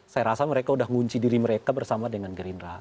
saya rasa mereka udah ngunci diri mereka bersama dengan gerindra